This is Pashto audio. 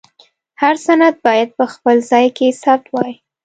هر سند باید په خپل ځای کې ثبت وای.